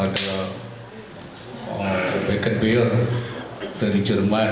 dan juga ada becker buell dari jerman